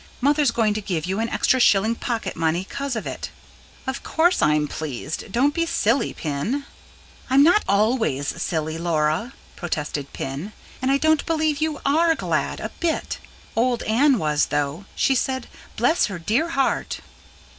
Mother's going to give you an extra shilling pocket money, 'cause of it." "Of course I'm pleased. Don't be so silly, Pin." "I'm not ALWAYS silly, Laura," protested Pin. "And I don't believe you ARE glad, a bit. Old Anne was, though. She said: 'Bless her dear heart!'"